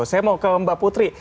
saya mau ke mbak putri